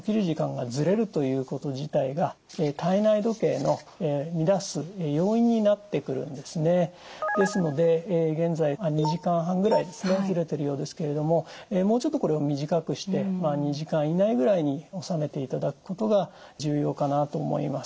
ただですので現在２時間半ぐらいずれてるようですけれどももうちょっとこれを短くして２時間以内ぐらいに収めていただくことが重要かなと思います。